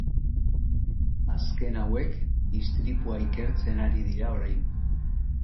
Azken hauek istripua ikertzen ari dira orain.